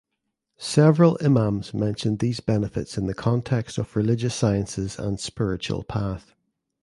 Several Imams mentioned these benefits in the context of religious sciences and spiritual path.